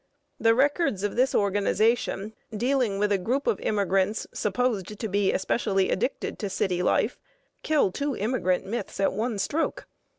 The records of this organization, dealing with a group of immigrants supposed to be especially addicted to city life, kill two immigrant myths at one stroke.